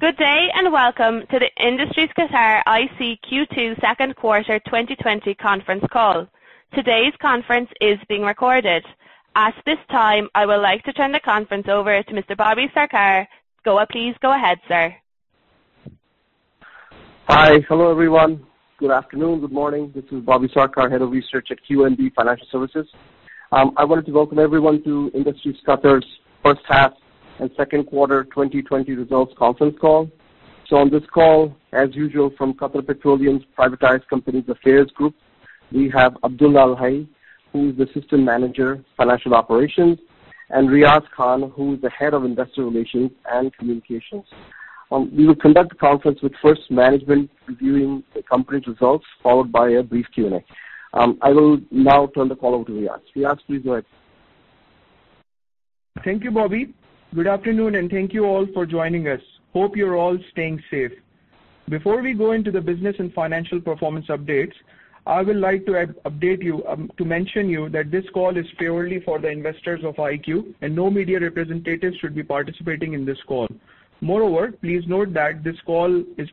Good day, welcome to the Industries Qatar IQ Q2 second quarter 2020 conference call. Today's conference is being recorded. At this time, I would like to turn the conference over to Mr. Bobby Sarkar. Please go ahead, sir. Hi. Hello, everyone. Good afternoon, good morning. This is Bobby Sarkar, Head of Research at QNB Financial Services. I wanted to welcome everyone to Industries Qatar's first half and second quarter 2020 results conference call. On this call, as usual, from Qatar Petroleum's Privatized Companies Affairs group, we have Abdulla Al-Hay, who is the Assistant Manager, Financial Operations, and Riaz Khan, who is the Head of Investor Relations and Communications. We will conduct the conference with first management reviewing the company's results, followed by a brief Q&A. I will now turn the call over to Riaz. Riaz, please go ahead. Thank you, Bobby. Good afternoon, thank you all for joining us. Hope you're all staying safe. Before we go into the business and financial performance updates, I would like to mention you that this call is purely for the investors of IQ, no media representatives should be participating in this call. Moreover, please note that this call is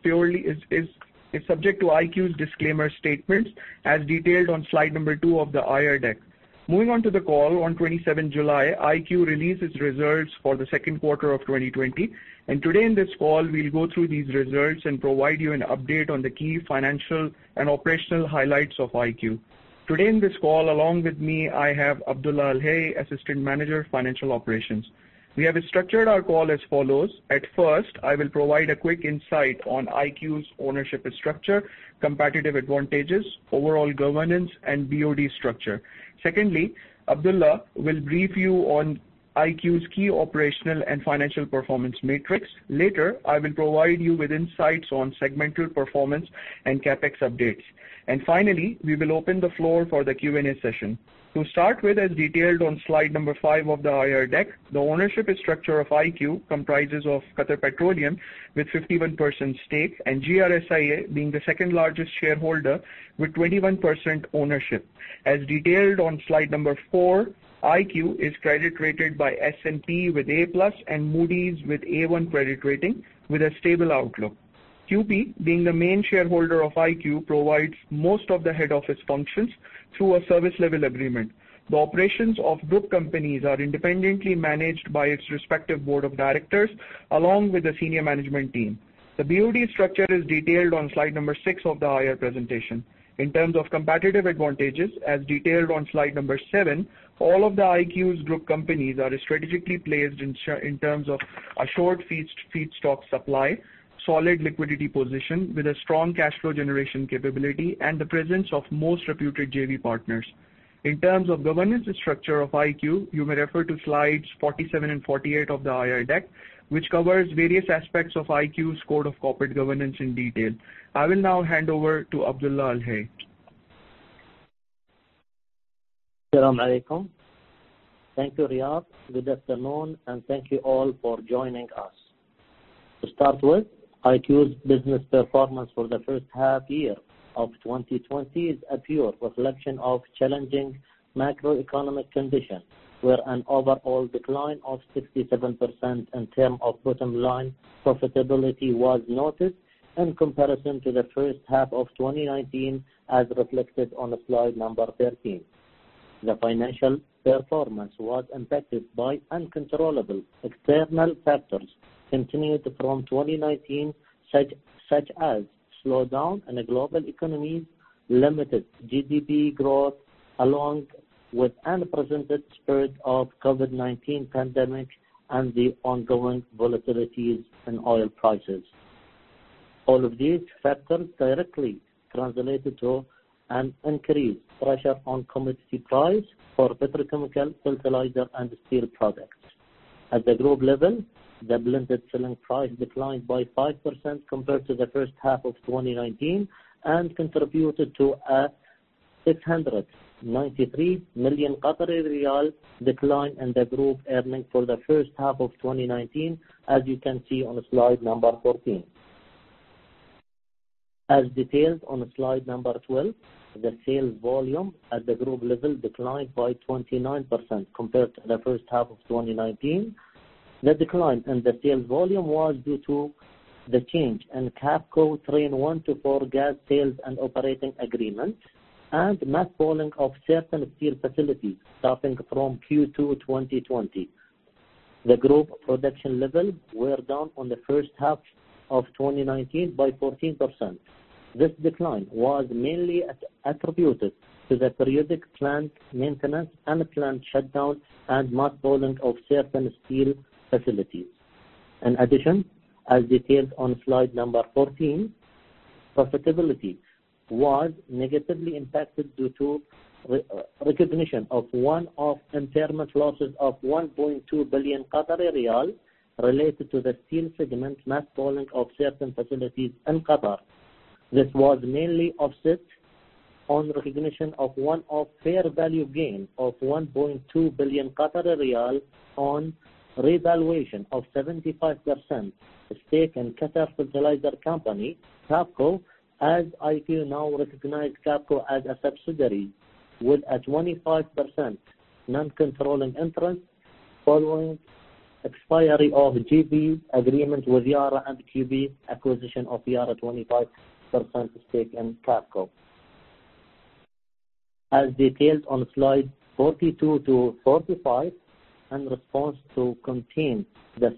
subject to IQ's disclaimer statements as detailed on slide number two of the IR deck. Moving on to the call, on 27th July, IQ released its results for the second quarter of 2020. Today in this call, we'll go through these results and provide you an update on the key financial and operational highlights of IQ. Today in this call, along with me, I have Abdulla Al-Hay, Assistant Manager of Financial Operations. We have structured our call as follows. At first, I will provide a quick insight on IQ's ownership structure, competitive advantages, overall governance, and BoD structure. Secondly, Abdulla will brief you on IQ's key operational and financial performance metrics. Later, I will provide you with insights on segmental performance and CapEx updates. Finally, we will open the floor for the Q&A session. To start with, as detailed on slide number five of the IR deck, the ownership structure of IQ comprises of Qatar Petroleum with 51% stake, GRSIA being the second-largest shareholder with 21% ownership. As detailed on slide number four, IQ is credit rated by S&P with A+ and Moody's with A1 credit rating with a stable outlook. QP, being the main shareholder of IQ, provides most of the head office functions through a service level agreement. The operations of group companies are independently managed by its respective Board of Directors along with the senior management team. The BoD structure is detailed on slide number six of the IR presentation. In terms of competitive advantages, as detailed on slide number seven, all of the IQ's group companies are strategically placed in terms of assured feedstock supply, solid liquidity position with a strong cash flow generation capability, and the presence of most reputed JV partners. In terms of governance structure of IQ, you may refer to slides 47 and 48 of the IR deck, which covers various aspects of IQ's code of corporate governance in detail. I will now hand over to Abdulla Al-Hay. Assalamualaikum. Thank you, Riaz. Good afternoon, and thank you all for joining us. To start with, IQ's business performance for the first half year of 2020 is a pure reflection of challenging macroeconomic conditions, where an overall decline of 67% in term of bottom line profitability was noted in comparison to the first half of 2019, as reflected on slide number 13. The financial performance was impacted by uncontrollable external factors continued from 2019, such as slowdown in the global economies, limited GDP growth, along with unprecedented spread of COVID-19 pandemic and the ongoing volatilities in oil prices. All of these factors directly translated to an increased pressure on commodity price for petrochemical, fertilizer, and steel products. At the group level, the blended selling price declined by 5% compared to the first half of 2019 and contributed to a 693 million decline in the group earnings for the first half of 2019, as you can see on slide number 14. As detailed on slide number 12, the sales volume at the group level declined by 29% compared to the first half of 2019. The decline in the sales volume was due to the change in QAFCO Trains 1 to 4 gas sales and operating agreement and mothballing of certain steel facilities starting from Q2 2020. The group production level were down on the first half of 2019 by 14%. This decline was mainly attributed to the periodic plant maintenance, unplanned shutdowns, and mothballing of certain steel facilities. As detailed on slide number 14, profitability was negatively impacted due to recognition of one-off impairment losses of 1.2 billion Qatari riyal related to the steel segment's mothballing of certain facilities in Qatar. This was mainly offset on recognition of one-off fair value gain of 1.2 billion riyal on revaluation of 75% stake in Qatar Fertilizer Company, QAFCO, as IQ now recognize QAFCO as a subsidiary with a 25% non-controlling interest following expiry of JV agreement with Yara and QP acquisition of Yara 25% stake in QAFCO. As detailed on slides 42 to 45, in response to contain the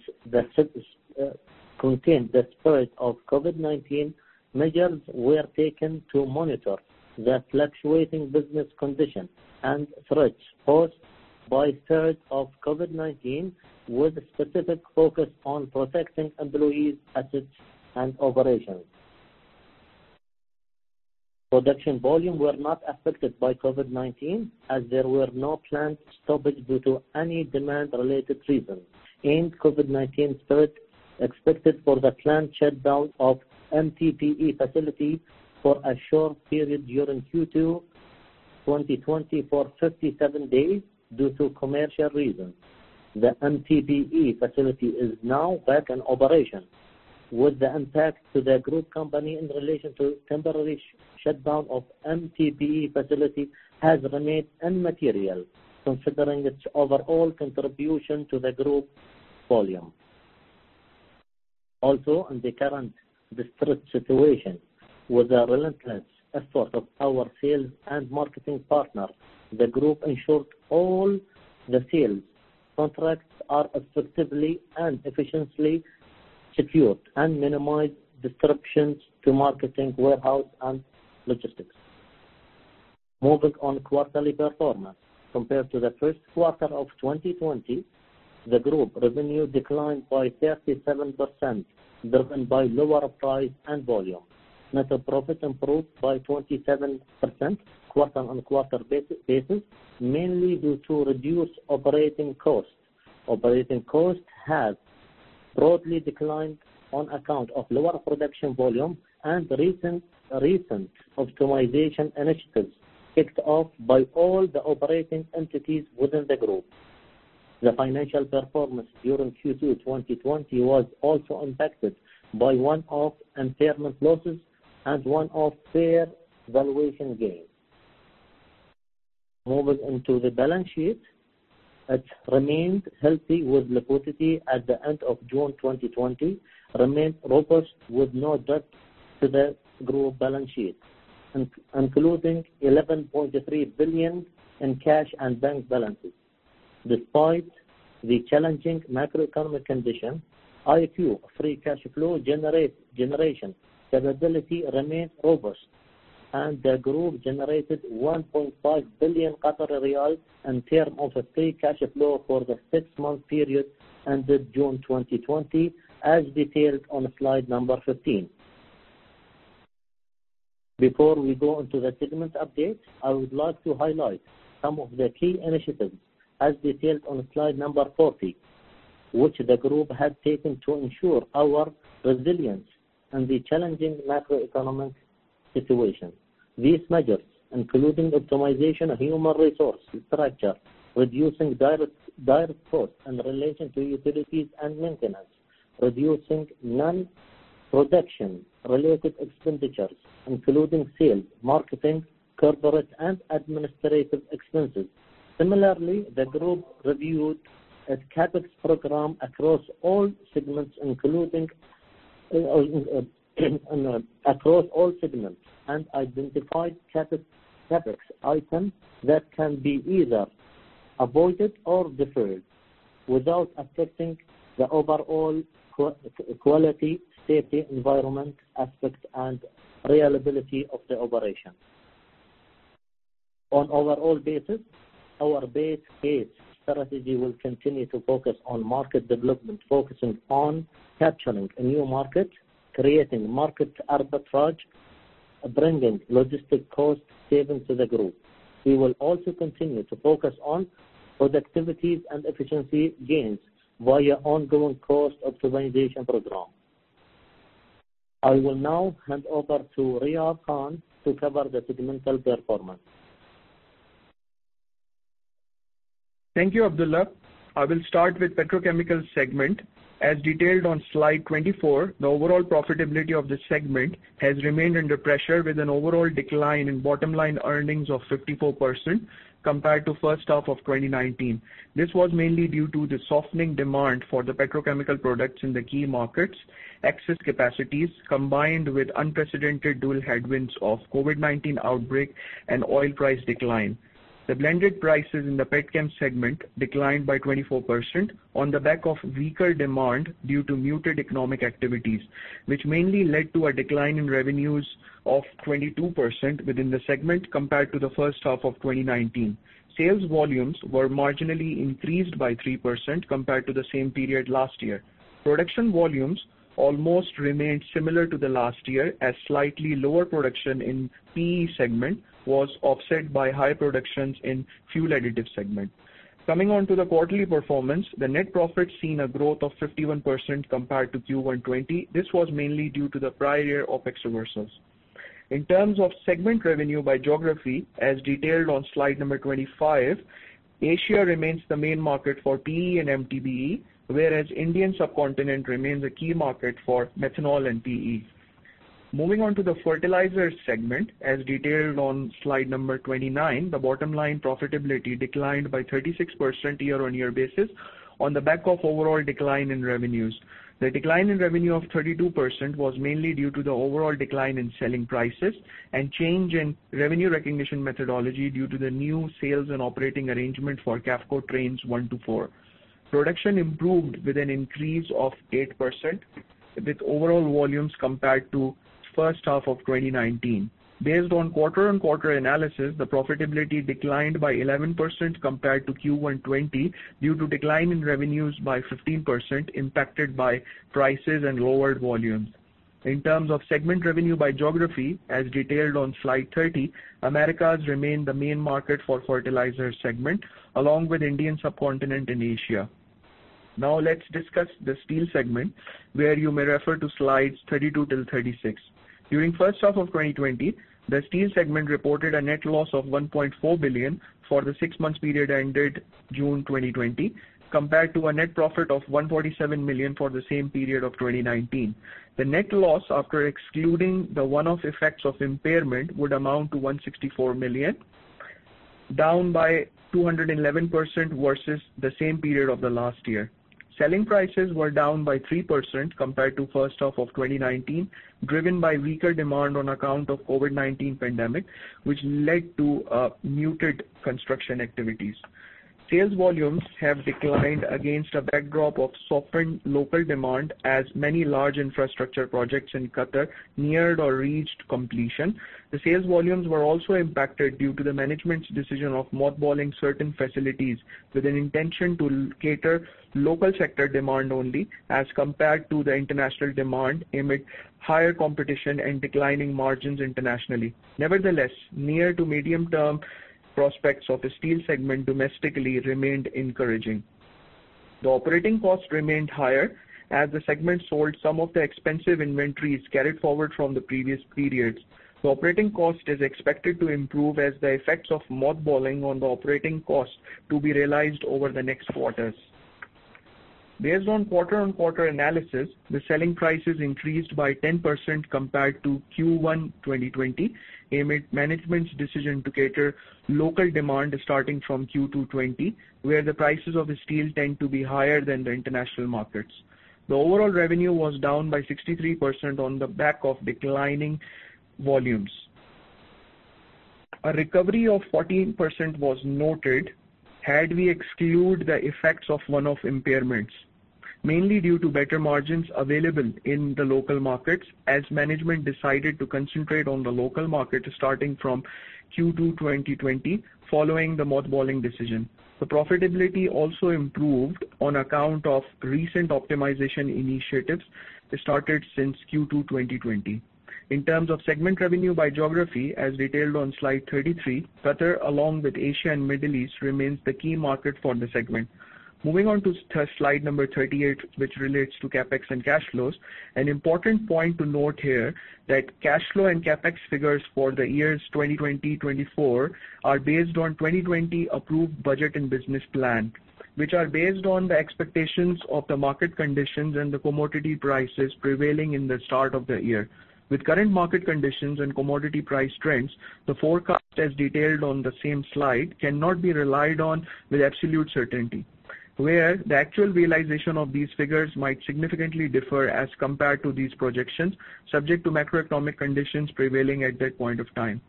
spread of COVID-19, measures were taken to monitor the fluctuating business condition and threats posed by spread of COVID-19, with specific focus on protecting employees, assets, and operations. Production volume were not affected by COVID-19, as there were no planned stoppage due to any demand-related reason. In COVID-19 spread, expected for the planned shutdown of MTBE facility for a short period during Q2 2020 for 57 days due to commercial reasons. The MTBE facility is now back in operation with the impact to the group company in relation to temporary shutdown of MTBE facility has remained immaterial considering its overall contribution to the group volume. In the current difficult situation, with the relentless effort of our sales and marketing partners, the group ensured all the sales contracts are effectively and efficiently secured and minimize disruptions to marketing, warehouse, and logistics. Moving on quarterly performance. Compared to the first quarter of 2020, the group revenue declined by 37%, driven by lower price and volume. Net profit improved by 27% quarter-on-quarter basis, mainly due to reduced operating costs. Operating costs has broadly declined on account of lower production volume and recent optimization initiatives kicked off by all the operating entities within the group. The financial performance during Q2 2020 was also impacted by one-off impairment losses and one-off fair valuation gains. Moving into the balance sheet. It remained healthy with liquidity at the end of June 2020, remained robust with no debt to the group balance sheet, including 11.3 billion in cash and bank balances. Despite the challenging macroeconomic condition, IQ free cash flow generation capability remains robust, and the group generated 1.5 billion riyals in term of free cash flow for the six-month period ended June 2020, as detailed on slide number 15. Before we go into the segment update, I would like to highlight some of the key initiatives as detailed on slide number 40, which the group has taken to ensure our resilience in the challenging macroeconomic situation. These measures including optimization of human resource structure, reducing direct costs in relation to utilities and maintenance, reducing non-production-related expenditures, including sales, marketing, corporate, and administrative expenses. Similarly, the group reviewed its CapEx program across all segments and identified CapEx item that can be either avoided or deferred without affecting the overall quality, safety, environment aspect, and reliability of the operation. On overall basis, our base case strategy will continue to focus on market development, focusing on capturing new markets, creating market arbitrage, bringing logistic cost savings to the group. We will also continue to focus on productivities and efficiency gains via ongoing cost optimization program. I will now hand over to Riaz Khan to cover the segmental performance. Thank you, Abdulla. I will start with petrochemicals segment. As detailed on slide 24, the overall profitability of this segment has remained under pressure with an overall decline in bottom-line earnings of 54% compared to first half of 2019. This was mainly due to the softening demand for the petrochemical products in the key markets, excess capacities, combined with unprecedented dual headwinds of COVID-19 outbreak and oil price decline. The blended prices in the petchem segment declined by 24% on the back of weaker demand due to muted economic activities, which mainly led to a decline in revenues of 22% within the segment compared to the first half of 2019. Sales volumes were marginally increased by 3% compared to the same period last year. Production volumes almost remained similar to the last year, as slightly lower production in PE segment was offset by higher productions in fuel additive segment. Coming on to the quarterly performance, the net profit seen a growth of 51% compared to Q1 '20. This was mainly due to the prior year of reversals. In terms of segment revenue by geography, as detailed on slide number 25, Asia remains the main market for PE and MTBE, whereas Indian subcontinent remains a key market for methanol and PE. Moving on to the fertilizer segment, as detailed on slide number 29, the bottom line profitability declined by 36% year-on-year basis on the back of overall decline in revenues. The decline in revenue of 32% was mainly due to the overall decline in selling prices and change in revenue recognition methodology due to the new sales and operating arrangement for QAFCO Trains 1 to 4. Production improved with an increase of 8%, with overall volumes compared to first half of 2019. Based on quarter-on-quarter analysis, the profitability declined by 11% compared to Q1 '20 due to decline in revenues by 15%, impacted by prices and lower volumes. In terms of segment revenue by geography, as detailed on slide 30, Americas remained the main market for fertilizer segment, along with Indian subcontinent and Asia. Now let's discuss the steel segment, where you may refer to slides 32 till 36. During first half of 2020, the steel segment reported a net loss of $1.4 billion for the six-month period ended June 2020, compared to a net profit of $147 million for the same period of 2019. The net loss, after excluding the one-off effects of impairment, would amount to $164 million, down by 211% versus the same period of the last year. Selling prices were down by 3% compared to first half of 2019, driven by weaker demand on account of COVID-19 pandemic, which led to muted construction activities. Sales volumes have declined against a backdrop of softened local demand as many large infrastructure projects in Qatar neared or reached completion. The sales volumes were also impacted due to the management's decision of mothballing certain facilities with an intention to cater local sector demand only as compared to the international demand amid higher competition and declining margins internationally. Nevertheless, near to medium-term prospects of the steel segment domestically remained encouraging. The operating cost remained higher as the segment sold some of the expensive inventories carried forward from the previous periods. The operating cost is expected to improve as the effects of mothballing on the operating cost to be realized over the next quarters. Based on quarter-on-quarter analysis, the selling prices increased by 10% compared to Q1 2020 amid management's decision to cater local demand starting from Q2 2020, where the prices of the steel tend to be higher than the international markets. The overall revenue was down by 63% on the back of declining volumes. A recovery of 14% was noted had we exclude the effects of one-off impairments, mainly due to better margins available in the local markets as management decided to concentrate on the local market starting from Q2 2020 following the mothballing decision. The profitability also improved on account of recent optimization initiatives that started since Q2 2020. In terms of segment revenue by geography, as detailed on slide 33, Qatar along with Asia and Middle East remains the key market for the segment. Moving on to slide 38, which relates to CapEx and cash flows, an important point to note here that cash flow and CapEx figures for the years 2020-2024 are based on 2020 approved budget and business plan, which are based on the expectations of the market conditions and the commodity prices prevailing in the start of the year. With current market conditions and commodity price trends, the forecast as detailed on the same slide cannot be relied on with absolute certainty, where the actual realization of these figures might significantly differ as compared to these projections, subject to macroeconomic conditions prevailing at that point of time.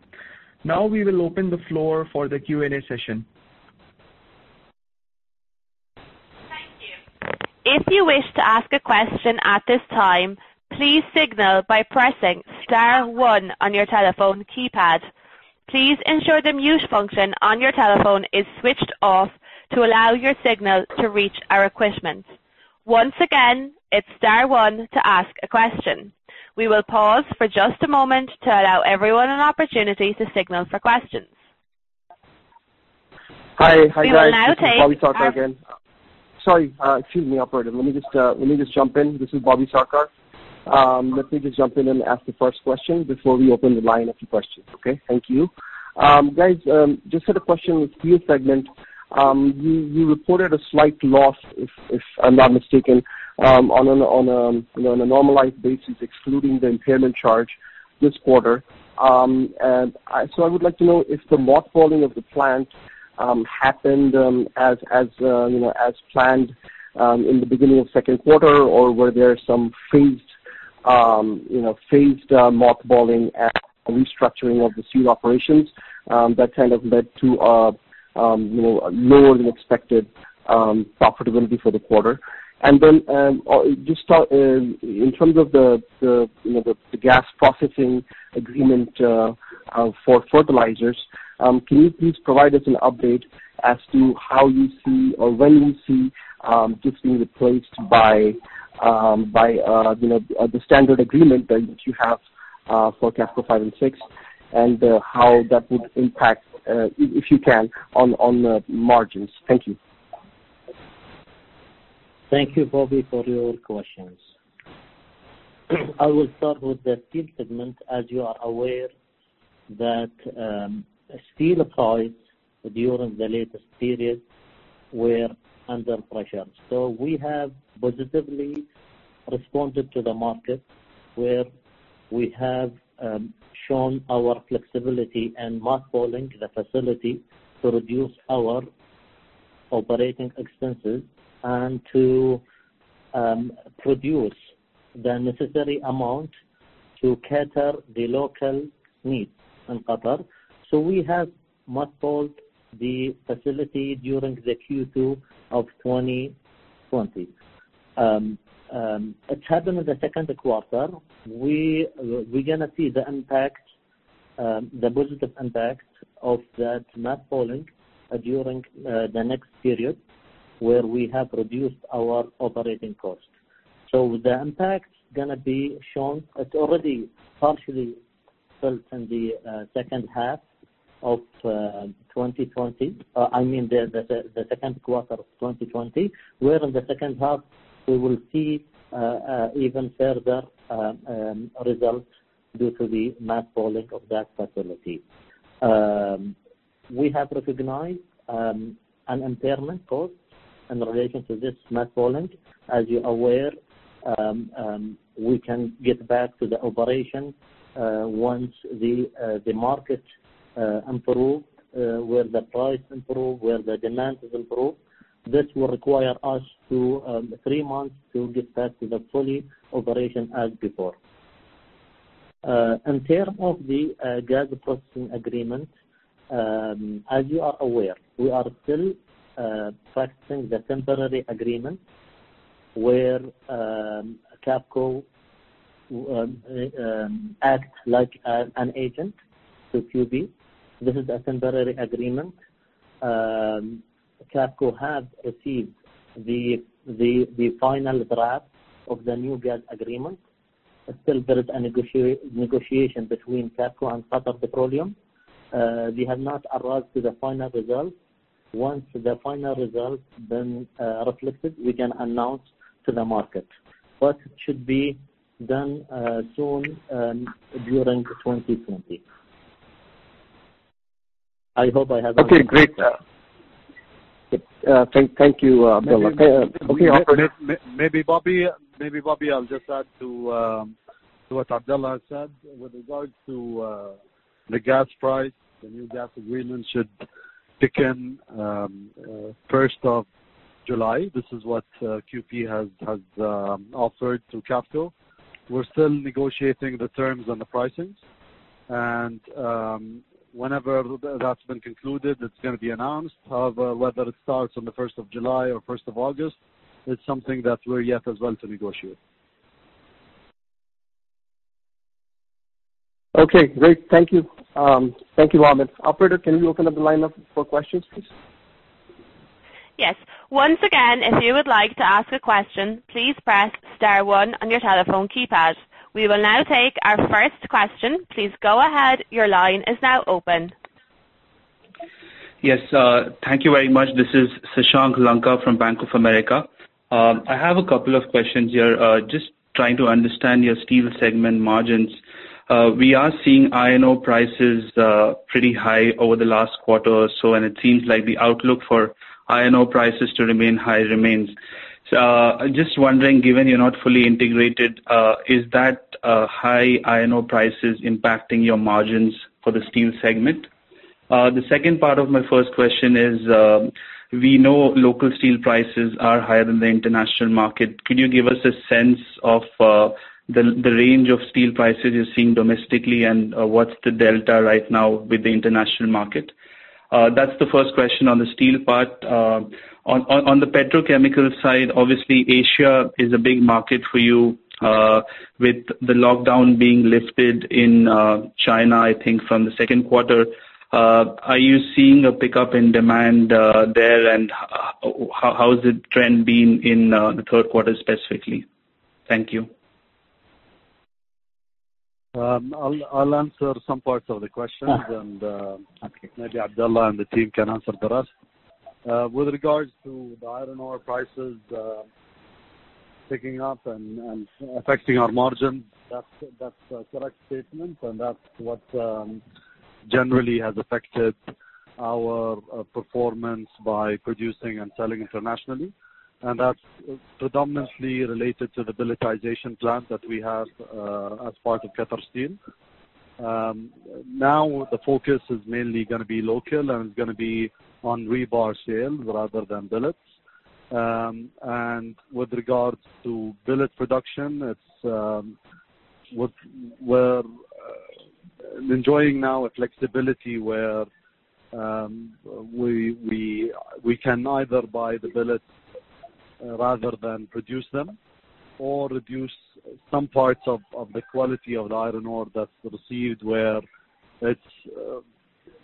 We will open the floor for the Q&A session. Thank you. If you wish to ask a question at this time, please signal by pressing star one on your telephone keypad. Please ensure the mute function on your telephone is switched off to allow your signal to reach our equipment. Once again, it's star one to ask a question. We will pause for just a moment to allow everyone an opportunity to signal for questions. Hi. We will now. This is Bobby Sarkar again. Sorry. Excuse me, operator. Let me just jump in. This is Bobby Sarkar. Let me just jump in and ask the first question before we open the line up to questions, okay? Thank you. Guys, just had a question with steel segment. You reported a slight loss, if I'm not mistaken, on a normalized basis, excluding the impairment charge this quarter. I would like to know if the mothballing of the plant happened as planned in the beginning of second quarter or were there some phased mothballing and restructuring of the steel operations that kind of led to a lower-than-expected profitability for the quarter? In terms of the gas processing agreement for fertilizers, can you please provide us an update as to how you see or when you see this being replaced by the standard agreement that you have for QAFCO 5 and 6 and how that would impact, if you can, on the margins? Thank you. Thank you, Bobby, for your questions. I will start with the steel segment, as you are aware That steel price during the latest period were under pressure. We have positively responded to the market, where we have shown our flexibility in mothballing the facility to reduce our operating expenses and to produce the necessary amount to cater the local needs in Qatar. We have mothballed the facility during the Q2 of 2020. It happened in the second quarter. We're going to see the positive impact of that mothballing during the next period, where we have reduced our operating cost. The impact is going to be shown. It's already partially felt in the second half of 2020. I mean, the second quarter of 2020, where in the second half, we will see even further results due to the mothballing of that facility. We have recognized an impairment cost in relation to this mothballing. As you're aware, we can get back to the operation once the market improve, where the price improve, where the demand is improved. This will require us three months to get back to the fully operation as before. In terms of the gas processing agreement, as you are aware, we are still practicing the temporary agreement where QAFCO acts like an agent to QP. This is a temporary agreement. QAFCO has received the final draft of the new gas agreement. Still there is a negotiation between QAFCO and Qatar Petroleum. We have not arrived to the final result. Once the final result been reflected, we can announce to the market. It should be done soon during 2020. I hope I have answered your question. Okay, great. Thank you, Abdulla. Bobby, I'll just add to what Abdulla has said. With regards to the gas price, the new gas agreement should kick in first of July. This is what QP has offered to QAFCO. We're still negotiating the terms and the pricings. Whenever that's been concluded, it's going to be announced. However, whether it starts on the first of July or first of August, it's something that we're yet as well to negotiate. Okay, great. Thank you. Thank you, Ahmed. Operator, can you open up the line up for questions, please? Yes. Once again, if you would like to ask a question, please press star one on your telephone keypad. We will now take our first question. Please go ahead. Your line is now open. Yes. Thank you very much. This is Shashank Lanka from Bank of America. I have a couple of questions here. Just trying to understand your steel segment margins. We are seeing iron ore prices pretty high over the last quarter or so, and it seems like the outlook for iron ore prices to remain high remains. Just wondering, given you're not fully integrated, is that high iron ore prices impacting your margins for the steel segment? The second part of my first question is, we know local steel prices are higher than the international market. Could you give us a sense of the range of steel prices you're seeing domestically, and what's the delta right now with the international market? That's the first question on the steel part. On the petrochemical side, obviously, Asia is a big market for you. With the lockdown being lifted in China, I think from the second quarter. Are you seeing a pickup in demand there, and how has the trend been in the third quarter specifically? Thank you. I'll answer some parts of the questions. Okay. Maybe Abdulla Al-Hay and the team can answer the rest. With regards to the iron ore prices picking up and affecting our margin, that's a correct statement, and that's what generally has affected our performance by producing and selling internationally, and that's predominantly related to the pelletization plant that we have as part of Qatar Steel. The focus is mainly going to be local, and it's going to be on rebar sales rather than billets. With regards to billet production, we're enjoying now a flexibility where we can either buy the billets rather than produce them or reduce some parts of the quality of the iron ore that's received where it's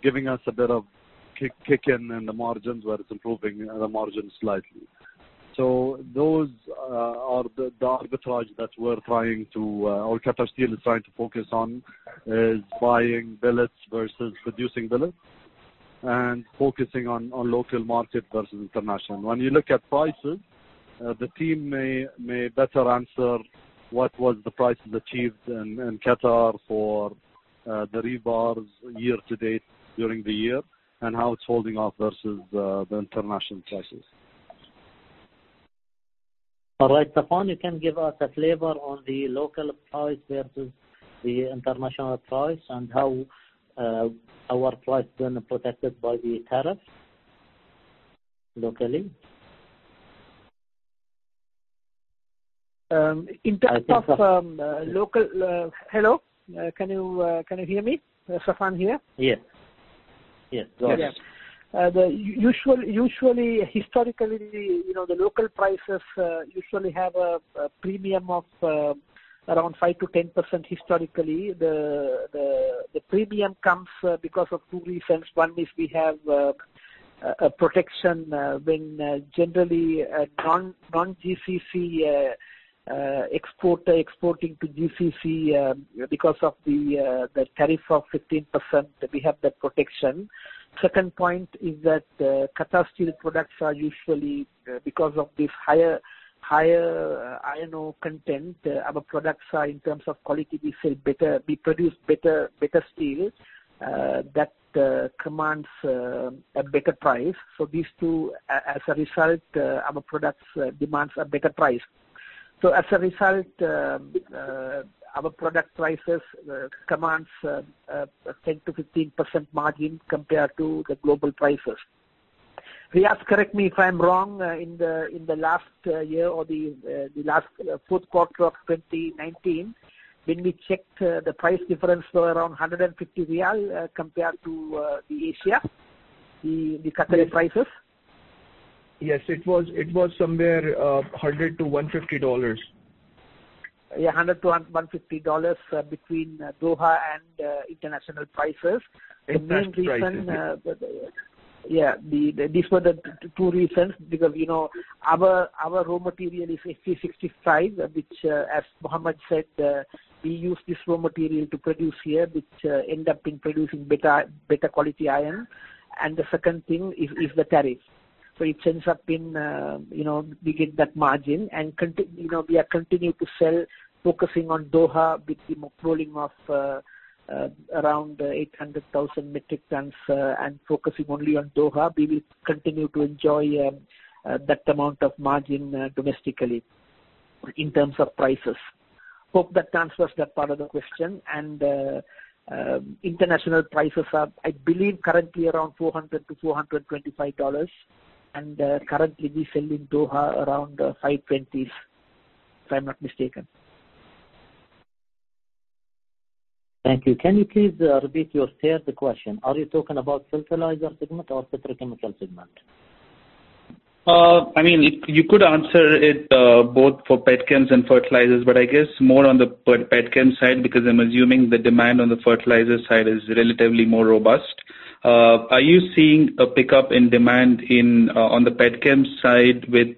giving us a bit of kick in the margins where it's improving the margin slightly. Those are the arbitrage that Qatar Steel is trying to focus on, is buying billets versus producing billets. Focusing on local market versus international. When you look at prices, the team may better answer what was the prices achieved in Qatar for the rebars year to date during the year, and how it's holding up versus the international prices. All right, Saffan, you can give us a flavor on the local price versus the international price and how our price been protected by the tariffs locally. Hello, can you hear me? Saffan here? Yes. Go ahead. Yes. Usually, historically, the local prices usually have a premium of around 5%-10% historically. The premium comes because of two reasons. One is we have a protection when generally a non-GCC exporter exporting to GCC, because of the tariff of 15%, we have that protection. Second point is that Qatar Steel products are usually, because of this higher iron ore content, our products are, in terms of quality, we sell better. We produce better steel that commands a better price. These two, as a result, our products demands a better price. As a result, our product prices commands a 10%-15% margin compared to the global prices. Riaz, correct me if I'm wrong, in the last year or the last fourth quarter of 2019, when we checked the price difference were around QAR 150 compared to the Asia, the Qatar prices. Yes, it was somewhere QAR 100-QAR 150. Yeah, QAR 100-QAR 150 between Doha and international prices. Export prices. The main reason. These were the two reasons because our raw material is 5065, which as Mohammed said, we use this raw material to produce here, which end up in producing better quality iron. The second thing is the tariff. It ends up in, we get that margin and we are continuing to sell, focusing on Doha with the rolling of around 800,000 metric tons and focusing only on Doha. We will continue to enjoy that amount of margin domestically in terms of prices. Hope that answers that part of the question. International prices are, I believe, currently around QAR 400-QAR 425. Currently we sell in Doha around the QAR 520s, if I'm not mistaken. Thank you. Can you please repeat your third question? Are you talking about fertilizer segment or petrochemical segment? You could answer it both for petchems and fertilizers, but I guess more on the petchem side, because I'm assuming the demand on the fertilizer side is relatively more robust. Are you seeing a pickup in demand on the petchem side with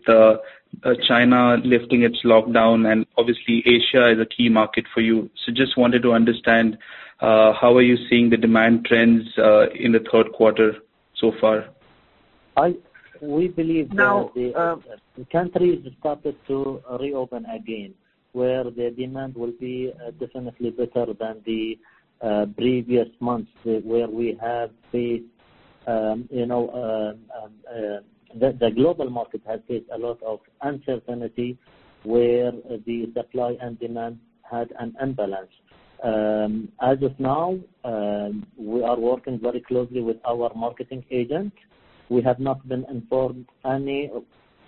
China lifting its lockdown? Obviously Asia is a key market for you. Just wanted to understand how are you seeing the demand trends in the third quarter so far? We believe that the countries started to reopen again, where the demand will be definitely better than the previous months, where the global market has faced a lot of uncertainty, where the supply and demand had an imbalance. As of now, we are working very closely with our marketing agent. We have not been informed any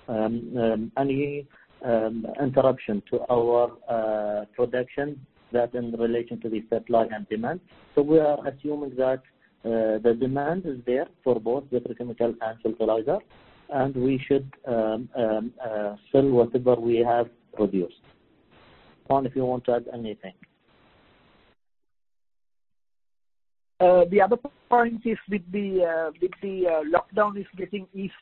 interruption to our production that in relation to the supply and demand. We are assuming that the demand is there for both petrochemical and fertilizer, and we should sell whatever we have produced. Safwan, if you want to add anything. The other point is with the lockdown is getting eased,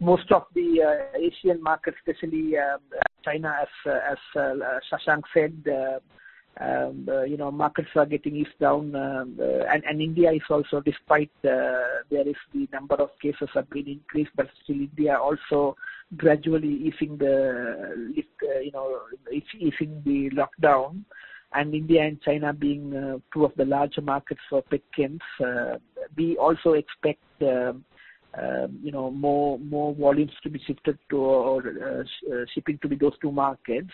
most of the Asian markets, especially China, as Shashank said, markets are getting eased down. India is also, despite there is the number of cases have been increased, but still India also gradually easing the lockdown. India and China being two of the larger markets for petchems, we also expect more volumes to be shifted to, or shipping to be those two markets.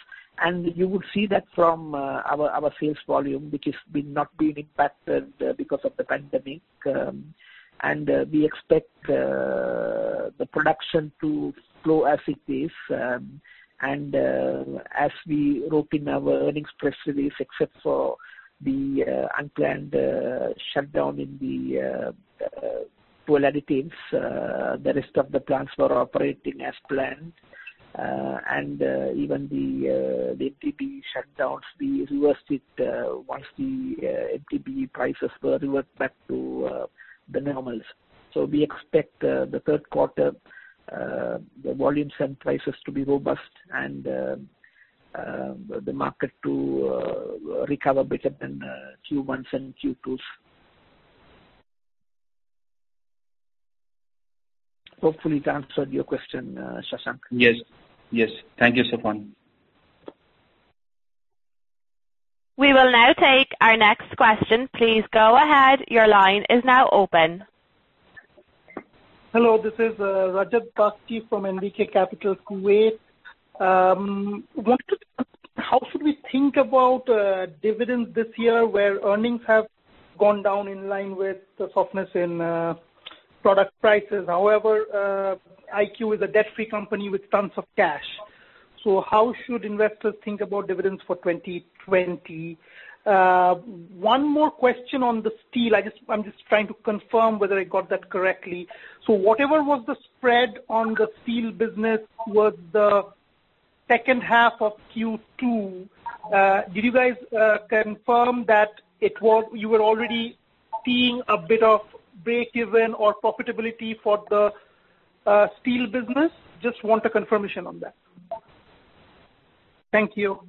You would see that from our sales volume, which has not been impacted because of the pandemic. We expect the production to grow as it is. We wrote in our earnings press release, except for the unplanned shutdown in the polyolefins, the rest of the plants were operating as planned. Even the MTBE shutdowns, we reversed it once the MTBE prices were reversed back to the normals. We expect the third quarter volumes and prices to be robust. We expect the market to recover better than Q1s and Q2s. Hopefully that answered your question, Shashank. Yes. Thank you, Saffan. We will now take our next question. Please go ahead. Your line is now open. Hello, this is Rajat Tasti from NBK Capital Kuwait. Wanted to ask how should we think about dividends this year where earnings have gone down in line with the softness in product prices. However, IQ is a debt-free company with tons of cash. How should investors think about dividends for 2020? One more question on the steel. I'm just trying to confirm whether I got that correctly. Whatever was the spread on the steel business was the second half of Q2. Did you guys confirm that you were already seeing a bit of break-even or profitability for the steel business? Just want a confirmation on that. Thank you.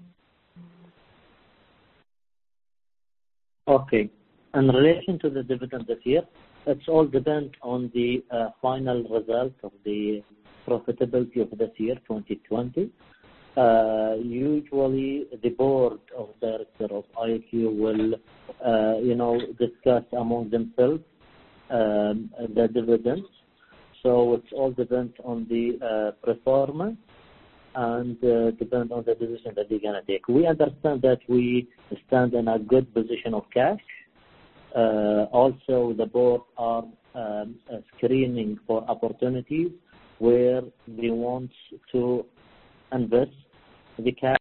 Okay. In relation to the dividend this year, it all depends on the final result of the profitability of this year, 2020. Usually, the board of directors of IQ will discuss among themselves the dividends. It all depends on the performance and depends on the decision that they're going to take. We understand that we stand in a good position of cash. Also, the board are screening for opportunities where they want to invest the cash,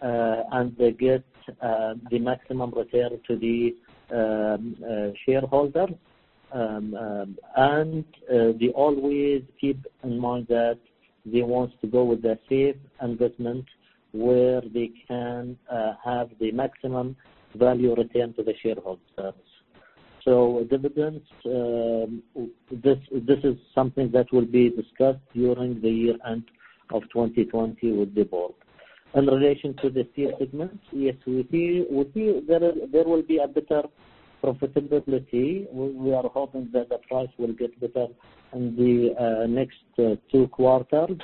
and they get the maximum return to the shareholders. They always keep in mind that they want to go with a safe investment where they can have the maximum value return to the shareholders. Dividends, this is something that will be discussed during the year-end of 2020 with the board. In relation to the steel segment, yes, we feel there will be a better profitability. We are hoping that the price will get better in the next two quarters.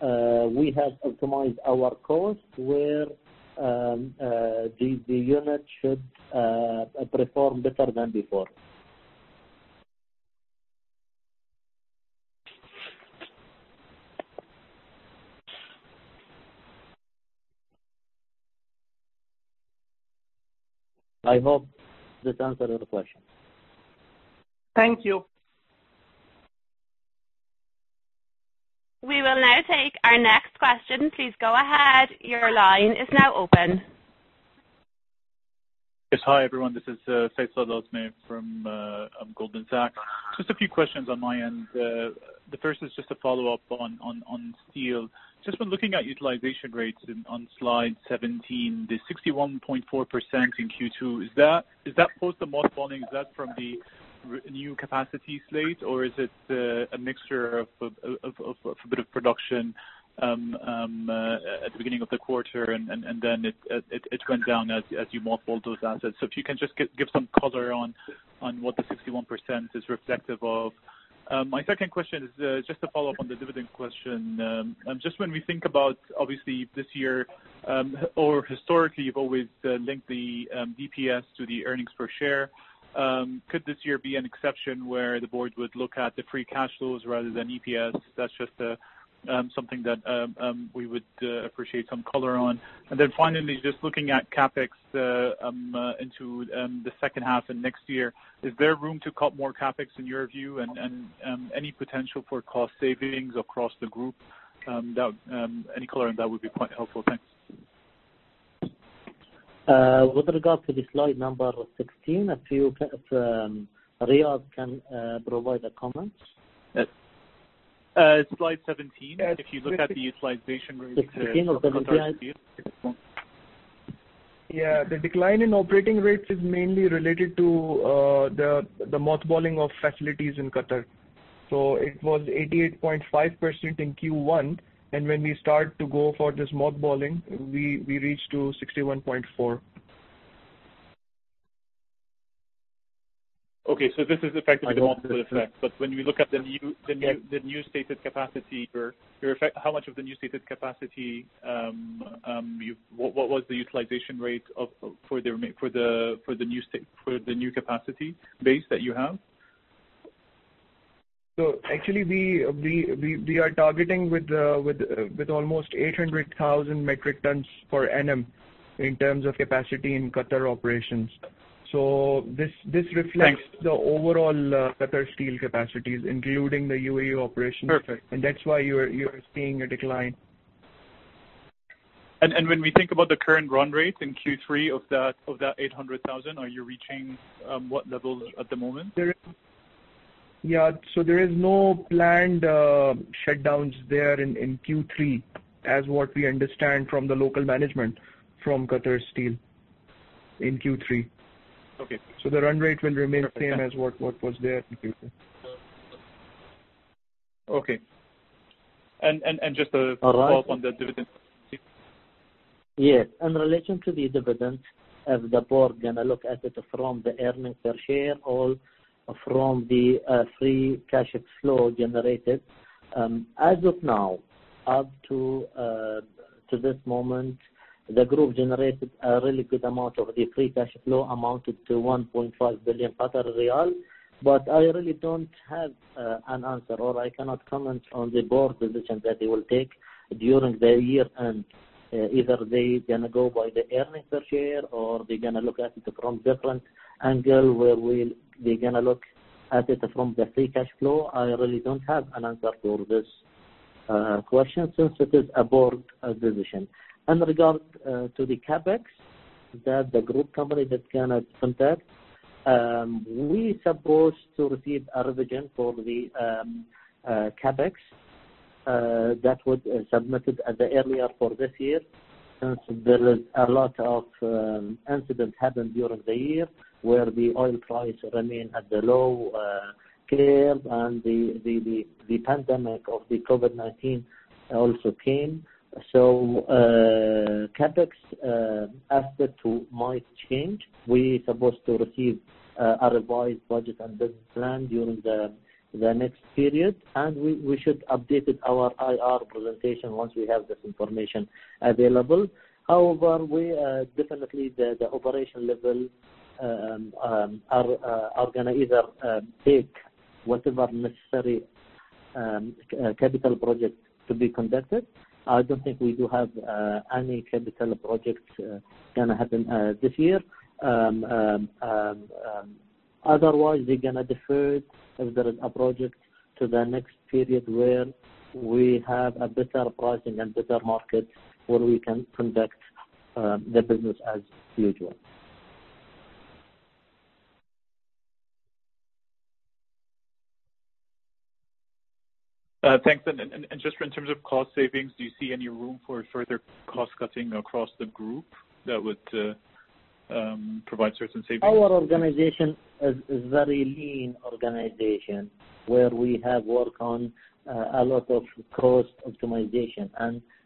We have optimized our cost where the unit should perform better than before. I hope this answered your question. Thank you. We will now take our next question. Please go ahead. Your line is now open. Yes, hi, everyone. This is Said Tlasni from Goldman Sachs. Just a few questions on my end. The first is just a follow-up on steel. Just from looking at utilization rates on slide 17, the 61.4% in Q2, is that post the mothballing? Is that from the new capacity slate, or is it a mixture of a bit of production at the beginning of the quarter and then it went down as you mothballed those assets? So if you can just give some color on what the 61% is reflective of. My second question is just a follow-up on the dividend question. Just when we think about, obviously this year, or historically, you've always linked the DPS to the earnings per share. Could this year be an exception where the Board would look at the free cash flows rather than EPS? That's just something that we would appreciate some color on. Finally, just looking at CapEx into the second half and next year, is there room to cut more CapEx in your view and any potential for cost savings across the group? Any color on that would be quite helpful. Thanks. With regard to the slide number 16, Riaz can provide a comment. Slide 17. If you look at the utilization rates for Qatar Steel. 16 of the DPS. Yeah. The decline in operating rates is mainly related to the mothballing of facilities in Qatar. It was 88.5% in Q1, and when we start to go for this mothballing, we reached to 61.4%. Okay. This is effectively a mothballing effect. When we look at the new stated capacity, how much of the new stated capacity, what was the utilization rate for the new capacity base that you have? Actually we are targeting with almost 800,000 metric tons per annum in terms of capacity in Qatar operations. This reflects- Thanks the overall Qatar Steel capacities, including the U.A.E. operations. Perfect. That's why you're seeing a decline. When we think about the current run rate in Q3 of that 800,000, are you reaching what levels at the moment? There is no planned shutdowns there in Q3 as what we understand from the local management from Qatar Steel in Q3. Okay. The run rate will remain same as what was there in Q3. Okay. Just All right thought on the dividend. Yes. In relation to the dividend, as the Board going to look at it from the earnings per share or from the free cash flow generated. As of now, up to this moment, the group generated a really good amount of the free cash flow amounted to 1.5 billion. I really don't have an answer, or I cannot comment on the Board position that they will take during the year-end. Either they going to go by the earnings per share, or they're going to look at it from different angle where they going to look at it from the free cash flow. I really don't have an answer for this question since it is a Board decision. In regard to the CapEx that the group company that going to conduct, we supposed to receive a revision for the CapEx that was submitted at the earlier for this year. Since there is a lot of incident happened during the year where the oil price remain at the low scale and the pandemic of the COVID-19 also came. CapEx aspect might change. We supposed to receive a revised budget and business plan during the next period, and we should updated our IR presentation once we have this information available. Definitely the operation level are going to either take whatever necessary capital project to be conducted. I don't think we do have any capital projects going to happen this year. We're going to defer if there is a project to the next period where we have a better pricing and better market where we can conduct the business as usual. Thanks. Just in terms of cost savings, do you see any room for further cost-cutting across the group that would provide certain savings? Our organization is very lean organization, where we have worked on a lot of cost optimization.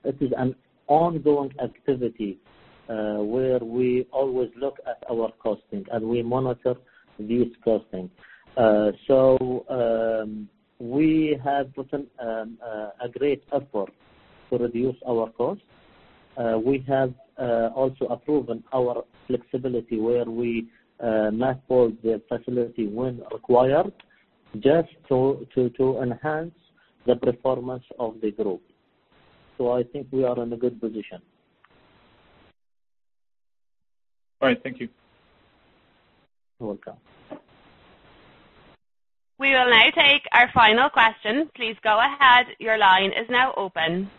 This is an ongoing activity, where we always look at our costing and we monitor these costing. We have put in a great effort to reduce our cost. We have also proven our flexibility, where we mothballed the facility when required, just to enhance the performance of the group. I think we are in a good position. All right. Thank you. You're welcome. We will now take our final question. Please go ahead. Your line is now open.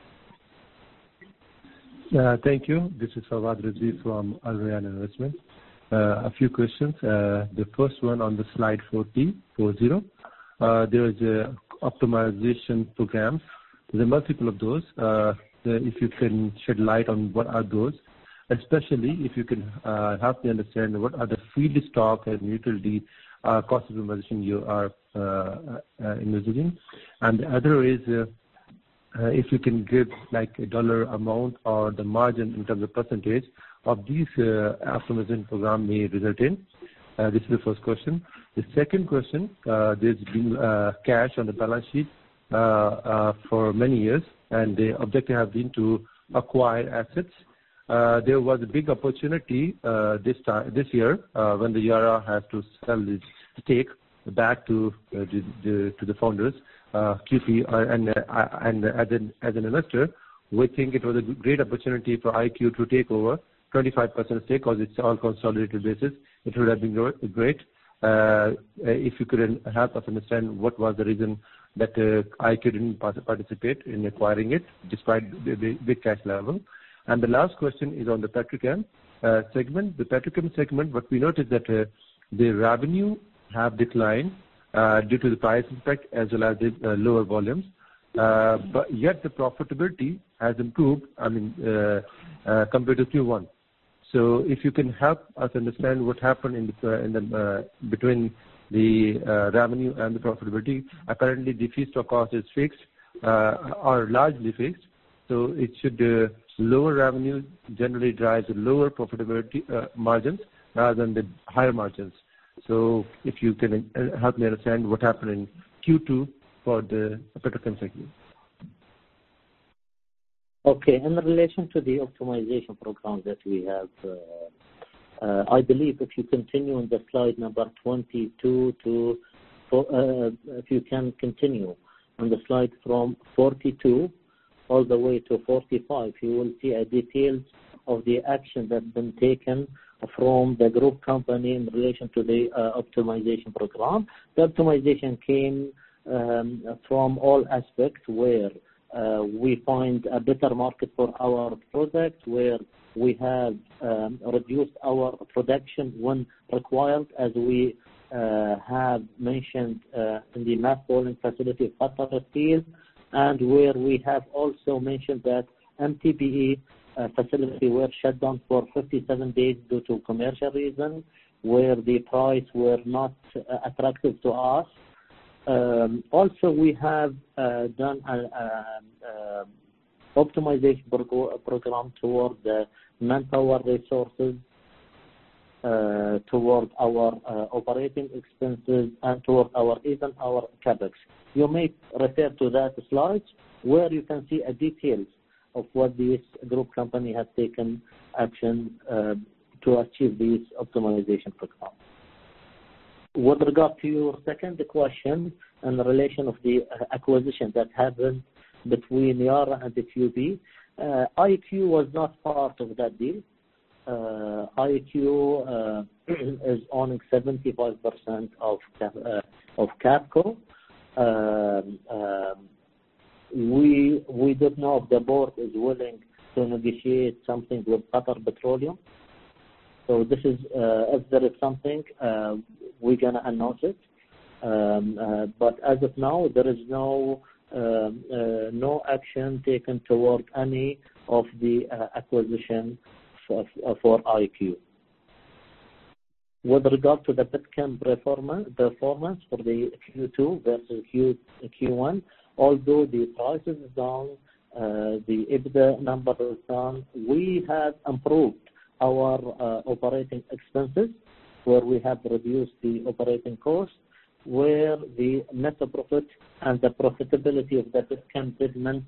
Thank you. This is Fawad Razaqzai from Al Rayan Investment. A few questions. The first one on the slide 40, four, zero. There is an optimization program. There are multiple of those. If you can shed light on what are those, especially if you can help me understand what are the feedstock and utility cost optimization you are investing. And the other is, if you can give like a $ amount or the margin in terms of % of these optimization program may result in. This is the first question. The second question. There has been cash on the balance sheet for many years, and the objective has been to acquire assets. There was a big opportunity this year, when the Yara had to sell its stake back to the founders, QP. As an investor, we think it was a great opportunity for IQ to take over 25% stake because it's on consolidated basis. It would have been great. If you could help us understand what was the reason that IQ didn't participate in acquiring it despite the big cash level. The last question is on the petchem segment. The petchem segment, what we noticed that their revenue has declined due to the price impact as well as the lower volumes. Yet the profitability has improved, I mean, compared to Q1. If you can help us understand what happened between the revenue and the profitability. Apparently, the feedstock cost is fixed, or largely fixed. Lower revenue generally drives lower profitability margins rather than the higher margins. If you can help me understand what happened in Q2 for the petchem segment. Okay. In relation to the optimization program that we have, I believe if you continue on slide 42 all the way to 45, you will see details of the action that has been taken from the group company in relation to the optimization program. The optimization came from all aspects, where we find a better market for our product, where we have reduced our production when required, as we have mentioned in the mothballing facility of Qatar Steel. Where we have also mentioned that MTBE facility was shut down for 57 days due to commercial reasons, where the price was not attractive to us. Also, we have done an optimization program toward the manpower resources, toward our operating expenses, and toward even our CapEx. You may refer to that slide where you can see details of what this group company has taken action to achieve this optimization program. With regard to your second question in relation to the acquisition that happened between Yara and QAFCO, IQ was not part of that deal. IQ owns 75% of QAFCO. We don't know if the board is willing to negotiate something with Qatar Petroleum. If there is something, we're going to announce it. As of now, there is no action taken toward any of the acquisition for IQ. With regard to the petchem performance for Q2 versus Q1, although the price is down, the EBITDA number is down, we have improved our operating expenses, where we have reduced the operating cost, where the net profit and the profitability of the petchem segment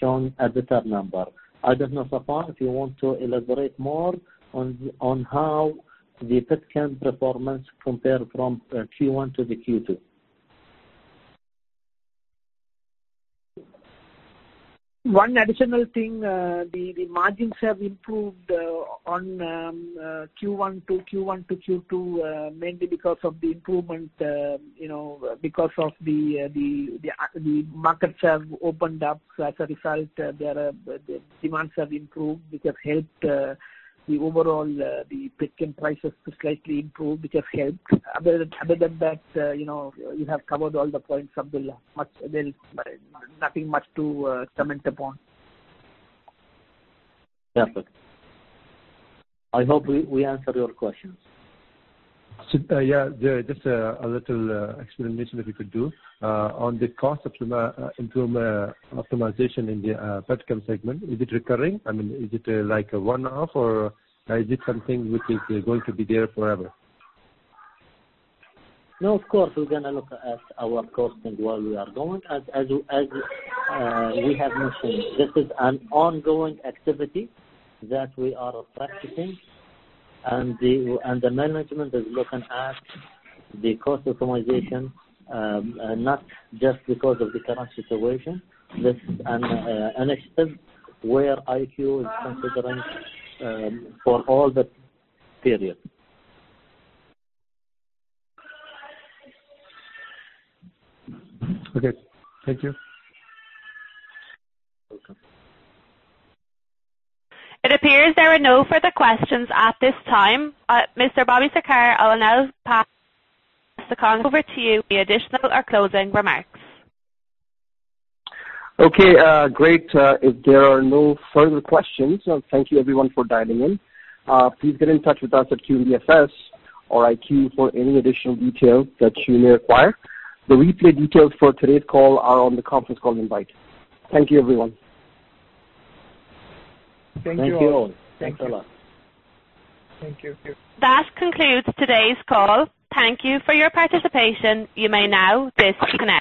showed a better number. I don't know, Saffan, if you want to elaborate more on how the petchem performance compares from Q1 to Q2. One additional thing. The margins have improved on Q1 to Q2, mainly because of the improvement, because the markets have opened up. As a result, the demands have improved, which has helped the overall petchem prices to slightly improve, which has helped. Other than that, you have covered all the points, Abdulla. Nothing much to comment upon. Perfect. I hope we answered your questions. Yeah. Just a little explanation if you could do. On the cost optimization in the petchem segment, is it recurring? I mean, is it like a one-off, or is it something which is going to be there forever? No, of course, we're going to look at our costing while we are going. As we have mentioned, this is an ongoing activity that we are practicing, and the management is looking at the cost optimization, not just because of the current situation. This is an initiative where IQ is considering for all the period. Okay. Thank you. Welcome. It appears there are no further questions at this time. Mr. Bobby Sarkar, I will now pass the call over to you for any additional or closing remarks. Okay, great. If there are no further questions, thank you everyone for dialing in. Please get in touch with us at QNBFS or IQ for any additional details that you may require. The replay details for today's call are on the conference call invite. Thank you, everyone. Thank you all. Thank you all. Thanks a lot. Thank you. That concludes today's call. Thank you for your participation. You may now disconnect.